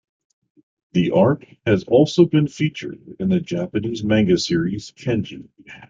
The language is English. The art has also been featured in the Japanese manga series Kenji.